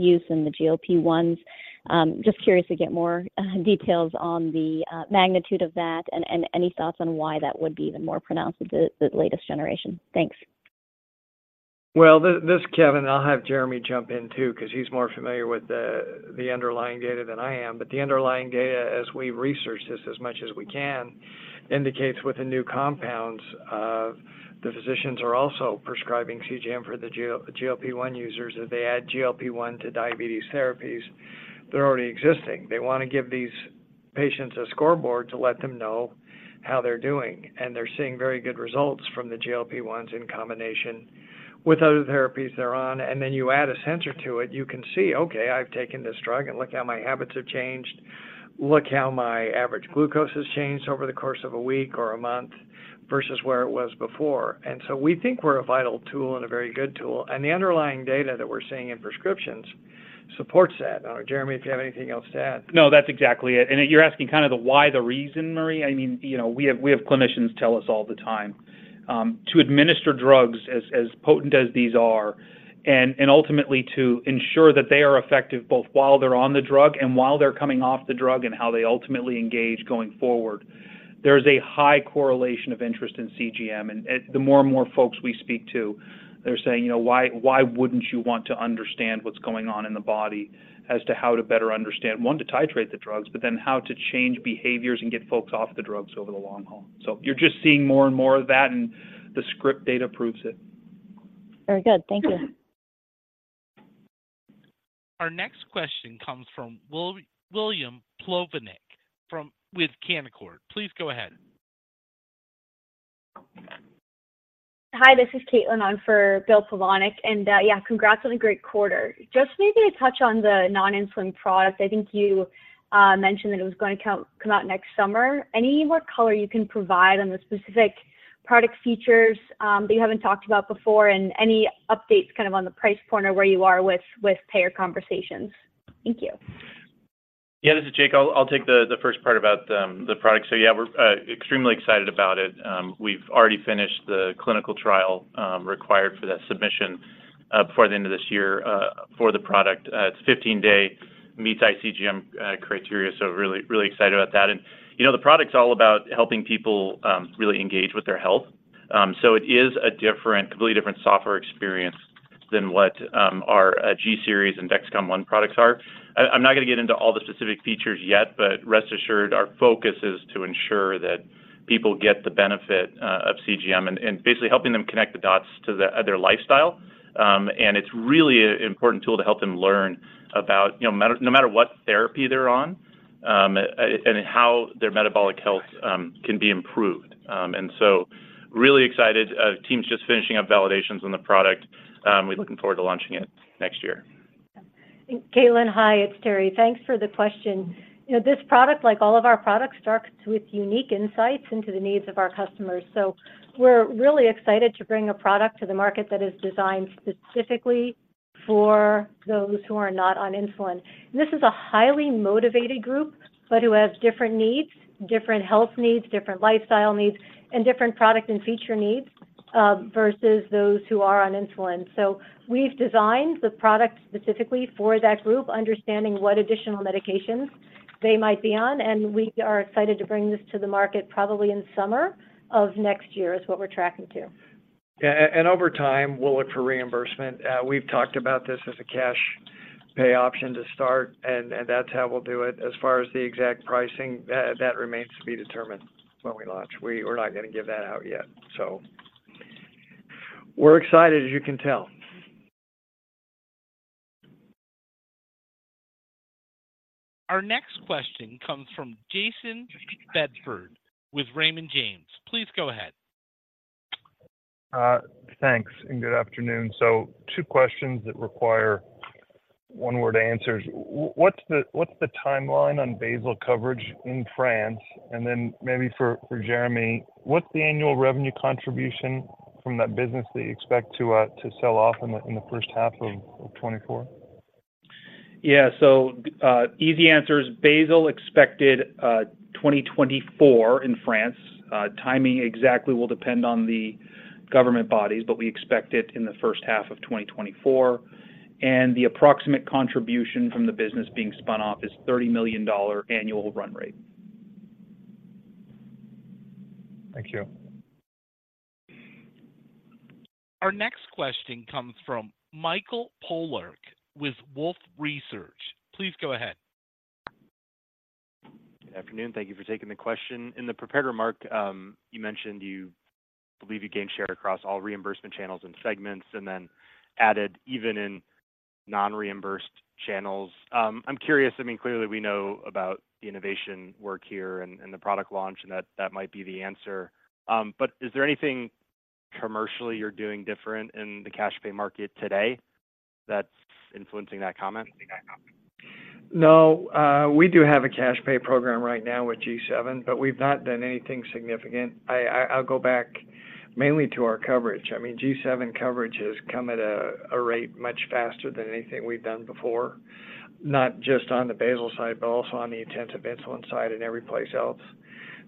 Speaker 17: use and the GLP-1s. Just curious to get more details on the magnitude of that, and any thoughts on why that would be even more pronounced with the latest generation. Thanks.
Speaker 3: Well, this, Kevin, I'll have Jereme jump in, too, 'cause he's more familiar with the underlying data than I am. But the underlying data, as we've researched this as much as we can, indicates with the new compounds, the physicians are also prescribing CGM for the GLP-1 users. If they add GLP-1 to diabetes therapies that are already existing, they want to give these patients a scoreboard to let them know how they're doing, and they're seeing very good results from the GLP-1s in combination with other therapies they're on. And then you add a sensor to it, you can see, okay, I've taken this drug, and look how my habits have changed. Look how my average glucose has changed over the course of a week or a month versus where it was before. And so we think we're a vital tool and a very good tool, and the underlying data that we're seeing in prescriptions supports that. Jereme, if you have anything else to add?
Speaker 4: No, that's exactly it. And you're asking kind of the why, the reason, Mary? I mean, you know, we have, we have clinicians tell us all the time, to administer drugs as, as potent as these are, and, and ultimately to ensure that they are effective both while they're on the drug and while they're coming off the drug, and how they ultimately engage going forward. There is a high correlation of interest in CGM, and, and the more and more folks we speak to, they're saying, "You know, why, why wouldn't you want to understand what's going on in the body as to how to better understand, one, to titrate the drugs, but then how to change behaviors and get folks off the drugs over the long haul?" So you're just seeing more and more of that, and the script data proves it.
Speaker 17: Very good. Thank you.
Speaker 1: Our next question comes from William Plovanic with Canaccord. Please go ahead.
Speaker 18: Hi, this is Caitlin. I'm on for Bill Plovanic. Yeah, congrats on a great quarter. Just maybe to touch on the non-insulin product, I think you mentioned that it was going to come out next summer. Any more color you can provide on the specific product features that you haven't talked about before, and any updates kind of on the price point or where you are with payer conversations? Thank you.
Speaker 12: Yeah, this is Jake. I'll take the first part about the product. So yeah, we're extremely excited about it. We've already finished the clinical trial required for that submission before the end of this year for the product. It's 15-day meets iCGM criteria, so really excited about that. And, you know, the product's all about helping people really engage with their health. So it is a different, completely different software experience than what our G-Series and Dexcom ONE products are. I'm not going to get into all the specific features yet, but rest assured, our focus is to ensure that people get the benefit of CGM and basically helping them connect the dots to their lifestyle. It's really an important tool to help them learn about, you know, no matter what therapy they're on, and how their metabolic health can be improved. So really excited. Team's just finishing up validations on the product, we're looking forward to launching it next year.
Speaker 9: Caitlin, hi, it's Teri. Thanks for the question. You know, this product, like all of our products, starts with unique insights into the needs of our customers. So we're really excited to bring a product to the market that is designed specifically for those who are not on insulin. This is a highly motivated group, but who has different needs, different health needs, different lifestyle needs, and different product and feature needs versus those who are on insulin. So we've designed the product specifically for that group, understanding what additional medications they might be on, and we are excited to bring this to the market, probably in summer of next year, is what we're tracking to.
Speaker 3: Yeah, and over time, we'll look for reimbursement. We've talked about this as a cash pay option to start, and that's how we'll do it. As far as the exact pricing, that remains to be determined when we launch. We're not gonna give that out yet. So we're excited, as you can tell.
Speaker 1: Our next question comes from Jayson Bedford with Raymond James. Please go ahead.
Speaker 19: Thanks, and good afternoon. So two questions that require one-word answers. What's the timeline on basal coverage in France? And then maybe for Jereme, what's the annual revenue contribution from that business that you expect to sell off in the H1 of 2024?
Speaker 4: Yeah. So, easy answer is basal expected, 2024 in France. Timing exactly will depend on the government bodies, but we expect it in the H1 of 2024. And the approximate contribution from the business being spun off is $30 million annual run rate.
Speaker 19: Thank you.
Speaker 1: Our next question comes from Mike Polark with Wolfe Research. Please go ahead.
Speaker 20: Good afternoon. Thank you for taking the question. In the prepared remark, you mentioned you believe you gained share across all reimbursement channels and segments, and then added even in non-reimbursed channels. I'm curious, I mean, clearly, we know about the innovation work here and the product launch, and that might be the answer. But is there anything commercially you're doing different in the cash pay market today that's influencing that comment?
Speaker 3: No. We do have a cash pay program right now with G7, but we've not done anything significant. I mean, I'll go back mainly to our coverage. I mean, G7 coverage has come at a rate much faster than anything we've done before. Not just on the basal side, but also on the intensive insulin side and every place else.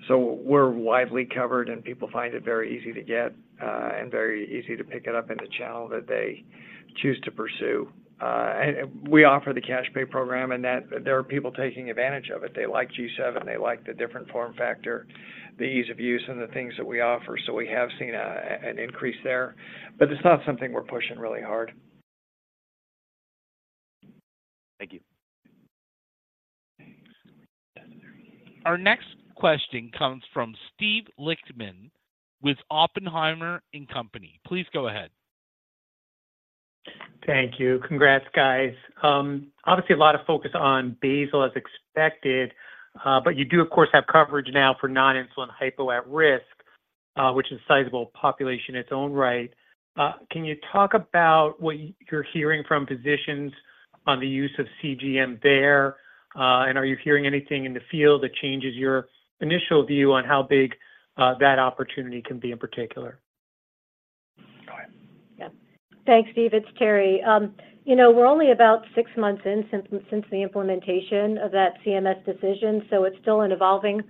Speaker 3: We're widely covered, and people find it very easy to get, and very easy to pick it up in the channel that they choose to pursue. We offer the cash pay program, and there are people taking advantage of it. They like G7, they like the different form factor, the ease of use, and the things that we offer. We have seen an increase there, but it's not something we're pushing really hard.
Speaker 20: Thank you.
Speaker 1: Our next question comes from Steven Lichtman with Oppenheimer & Company. Please go ahead.
Speaker 21: Thank you. Congrats, guys. Obviously, a lot of focus on basal, as expected, but you do, of course, have coverage now for non-insulin hypo at risk, which is a sizable population in its own right. Can you talk about what you're hearing from physicians on the use of CGM there? And are you hearing anything in the field that changes your initial view on how big that opportunity can be in particular?
Speaker 3: Go ahead.
Speaker 9: Yeah. Thanks, Steve. It's Teri. You know, we're only about six months in since the implementation of that CMS decision, so it's still an evolving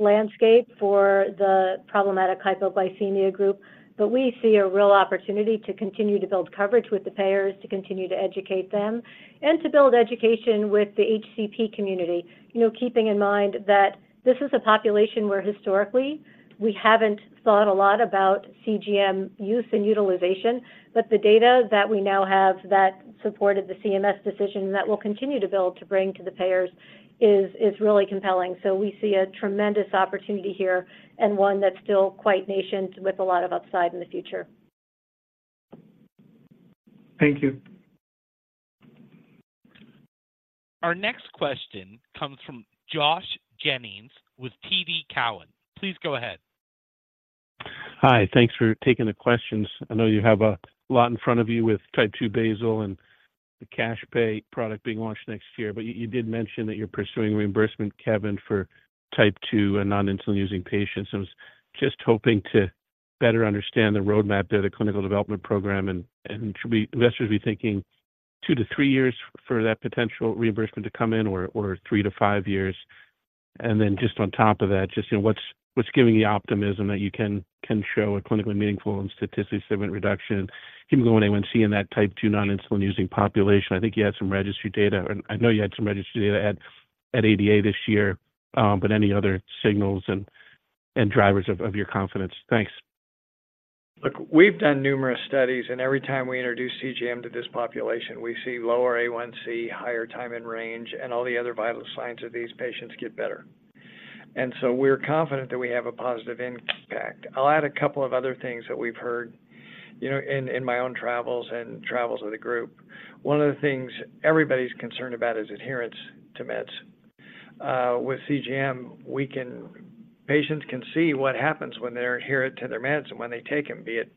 Speaker 9: landscape for the problematic hypoglycemia group. We see a real opportunity to continue to build coverage with the payers, to continue to educate them, and to build education with the HCP community. You know, keeping in mind that this is a population where historically, we haven't thought a lot about CGM use and utilization, but the data that we now have that supported the CMS decision, and that we'll continue to build to bring to the payers is really compelling. We see a tremendous opportunity here and one that's still quite nascent with a lot of upside in the future.
Speaker 21: Thank you.
Speaker 1: Our next question comes from Josh Jennings with TD Cowen. Please go ahead.
Speaker 22: Hi, thanks for taking the questions. I know you have a lot in front of you with Type II basal and the cash pay product being launched next year, but you did mention that you're pursuing reimbursement, Kevin, for Type II and non-insulin using patients. I was just hoping to better understand the roadmap there, the clinical development program, and should we—investors be thinking two to three years for that potential reimbursement to come in or three to five years? Just on top of that, just, you know, what's giving you optimism that you can show a clinically meaningful and statistically significant reduction in hemoglobin A1c in that Type II non-insulin using population? I think you had some registry data, and I know you had some registry data at ADA this year, but any other signals and drivers of your confidence? Thanks.
Speaker 3: Look, we've done numerous studies, and every time we introduce CGM to this population, we see lower A1C, higher time and range, and all the other vital signs of these patients get better. And so we're confident that we have a positive impact. I'll add a couple of other things that we've heard, you know, in my own travels and travels with the group. One of the things everybody's concerned about is adherence to meds. With CGM, we can—patients can see what happens when they're adherent to their meds and when they take them, be it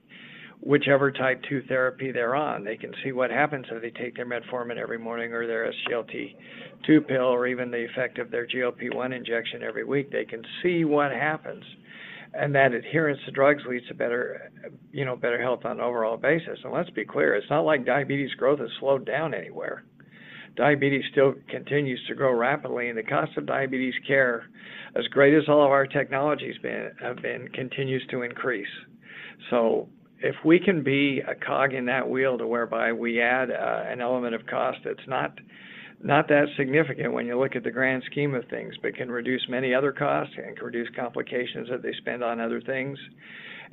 Speaker 3: whichever Type 2 therapy they're on. They can see what happens if they take their metformin every morning or their SGLT2 pill or even the effect of their GLP-1 injection every week. They can see what happens, and that adherence to drugs leads to better, you know, better health on an overall basis. And let's be clear, it's not like diabetes growth has slowed down anywhere. Diabetes still continues to grow rapidly, and the cost of diabetes care, as great as all of our technology's been, have been, continues to increase. So if we can be a cog in that wheel to whereby we add an element of cost that's not, not that significant when you look at the grand scheme of things, but can reduce many other costs and can reduce complications that they spend on other things,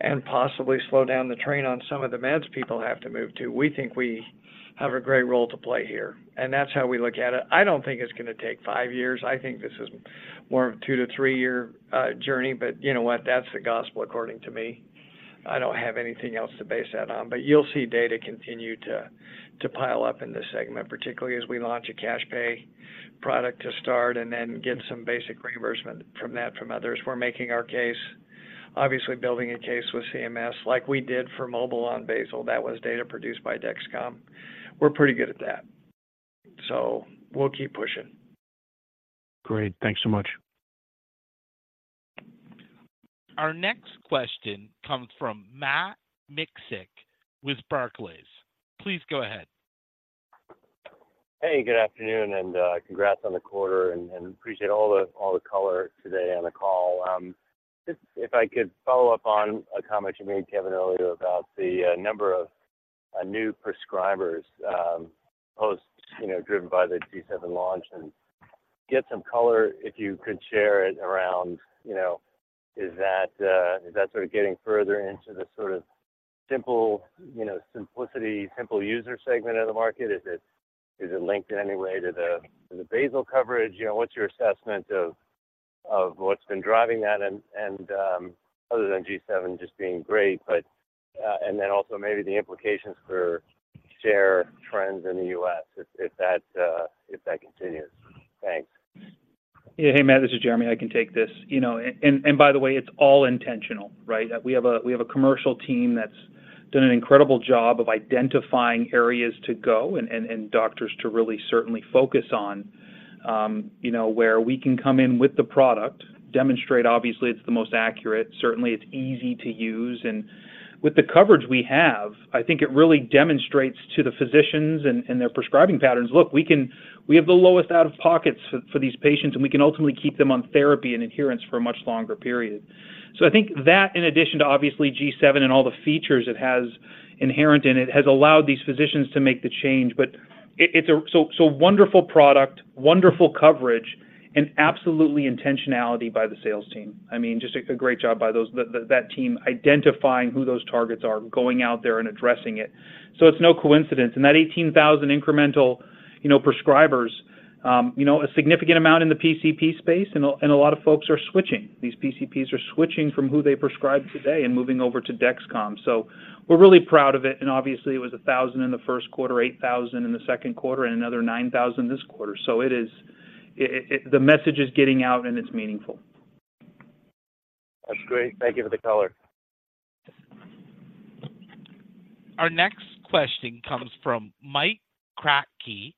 Speaker 3: and possibly slow down the train on some of the meds people have to move to, we think we have a great role to play here, and that's how we look at it. I don't think it's gonna take five years. I think this is more of a two- three-year journey, but you know what? That's the gospel according to me. I don't have anything else to base that on. But you'll see data continue to pile up in this segment, particularly as we launch a cash pay product to start and then get some basic reimbursement from that from others. We're making our case, obviously building a case with CMS, like we did for MOBILE on basal. That was data produced by Dexcom. We're pretty good at that. So we'll keep pushing.
Speaker 22: Great. Thanks so much.
Speaker 1: Our next question comes from Matt Miksic with Barclays. Please go ahead.
Speaker 23: Hey, good afternoon, and congrats on the quarter and appreciate all the color today on the call. If I could follow up on a comment you made, Kevin, earlier about the number of new prescribers, you know, driven by the G7 launch and get some color, if you could share it around, you know, is that sort of getting further into the sort of simple, you know, simplicity, simple user segment of the market? Is it, is it linked in any way to the basal coverage? You know, what's your assessment of what's been driving that? Other than G7 just being great, but also maybe the implications for share trends in the U.S. if that continues. Thanks.
Speaker 4: Yeah. Hey, Matt, this is Jereme. I can take this. You know, and by the way, it's all intentional, right? We have a commercial team that's done an incredible job of identifying areas to go and doctors to really focus on. You know, where we can come in with the product, demonstrate, obviously, it's the most accurate, certainly it's easy to use. And with the coverage we have, I think it really demonstrates to the physicians and their prescribing patterns, look, we can, we have the lowest out-of-pockets for these patients, and we can ultimately keep them on therapy and adherence for a much longer period. So I think that, in addition to obviously G7 and all the features it has inherent in it, has allowed these physicians to make the change. But it's a so, so wonderful product, wonderful coverage, and absolutely intentionality by the sales team. I mean, just a great job by those, that team, identifying who those targets are, going out there and addressing it. So it's no coincidence. And that 18,000 incremental, you know, prescribers, you know, a significant amount in the PCP space, and a lot of folks are switching. These PCPs are switching from who they prescribe today and moving over to Dexcom. So we're really proud of it, and obviously, it was 1,000 in the Q1, 8,000 in the Q2, and another 9,000 this quarter. So it is, the message is getting out, and it's meaningful.
Speaker 23: That's great. Thank you for the color.
Speaker 1: Our next question comes from Mike Kratky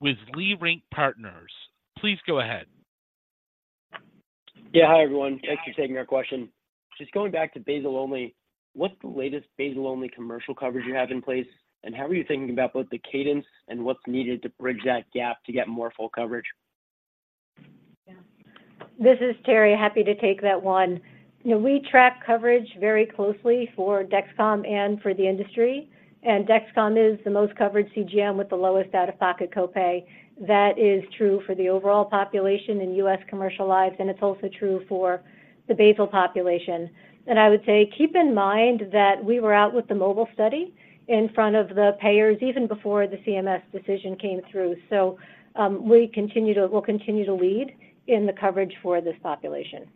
Speaker 1: with Leerink Partners. Please go ahead.
Speaker 24: Yeah. Hi, everyone. Thanks for taking our question. Just going back to basal only, what's the latest basal only commercial coverage you have in place? And how are you thinking about both the cadence and what's needed to bridge that gap to get more full coverage?
Speaker 9: Yeah. This is Teri. Happy to take that one. You know, we track coverage very closely for Dexcom and for the industry, and Dexcom is the most covered CGM with the lowest out-of-pocket copay. That is true for the overall population in U.S. commercial lives, and it's also true for the basal population. And I would say, keep in mind that we were out with the MOBILE study in front of the payers even before the CMS decision came through. So, we'll continue to lead in the coverage for this population.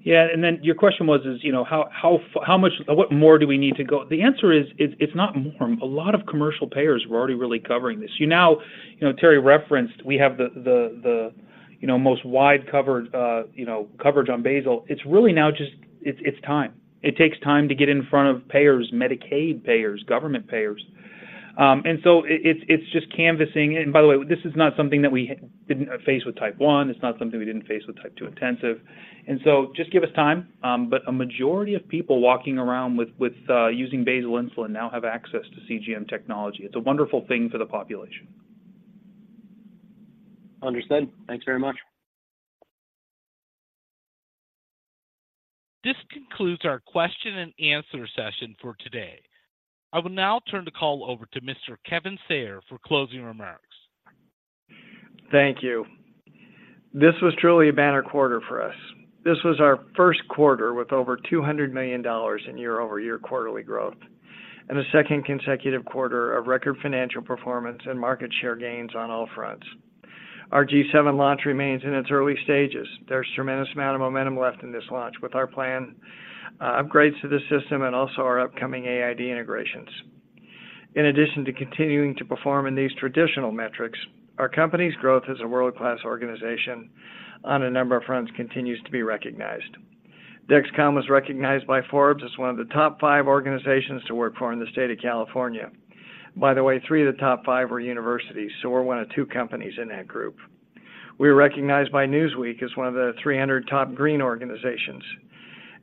Speaker 4: Yeah, and then your question was, you know, how much more do we need to go? The answer is, it's not more. A lot of commercial payers were already really covering this. You know, Teri referenced, we have the most wide covered, you know, coverage on basal. It's really now just time. It takes time to get in front of payers, Medicaid payers, government payers. And so it's just canvassing. And by the way, this is not something that we didn't face with Type I. It's not something we didn't face with Type II intensive. And so just give us time, but a majority of people walking around with using basal insulin now have access to CGM technology. It's a wonderful thing for the population.
Speaker 24: Understood. Thanks very much.
Speaker 1: This concludes our question and answer session for today. I will now turn the call over to Mr. Kevin Sayer for closing remarks.
Speaker 3: Thank you. This was truly a banner quarter for us. This was our Q1 with over $200 million in year-over-year quarterly growth, and the second consecutive quarter of record financial performance and market share gains on all fronts. Our G7 launch remains in its early stages. There's tremendous amount of momentum left in this launch with our plan, upgrades to the system and also our upcoming AID integrations. In addition to continuing to perform in these traditional metrics, our company's growth as a world-class organization on a number of fronts continues to be recognized. Dexcom was recognized by Forbes as one of the top five organizations to work for in the state of California. By the way, three of the top five were universities, so we're one of two companies in that group. We were recognized by Newsweek as one of the 300 top green organizations,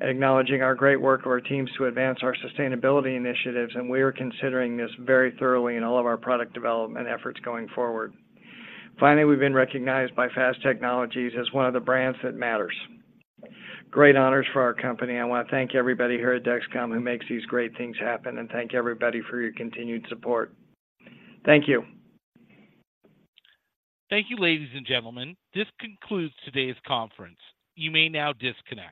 Speaker 3: acknowledging our great work of our teams to advance our sustainability initiatives, and we are considering this very thoroughly in all of our product development efforts going forward. Finally, we've been recognized by Fast Technologies as one of the brands that matters. Great honors for our company. I want to thank everybody here at Dexcom who makes these great things happen, and thank everybody for your continued support. Thank you.
Speaker 1: Thank you, ladies and gentlemen. This concludes today's conference. You may now disconnect.